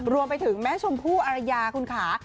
รวมไปถึงแม่ชมพู่อารยาคุณค่ะ